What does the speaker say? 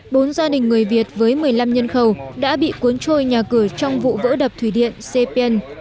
bốn gia đình người việt với một mươi năm nhân khẩu đã bị cuốn trôi nhà cửa trong vụ vỡ đập thủy điện sepien